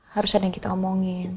harus ada yang kita omongin